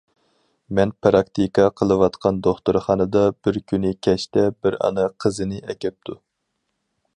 مەن پىراكتىكا قىلىۋاتقان دوختۇرخانىدا بىر كۈنى كەچتە بىر ئانا قىزىنى ئەكەپتۇ.